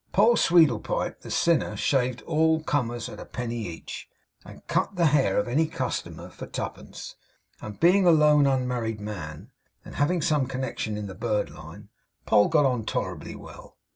Poll Sweedlepipe, the sinner, shaved all comers at a penny each, and cut the hair of any customer for twopence; and being a lone unmarried man, and having some connection in the bird line, Poll got on tolerably well.